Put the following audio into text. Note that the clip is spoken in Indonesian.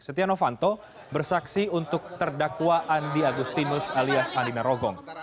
setia novanto bersaksi untuk terdakwa andi agustinus alias andi narogong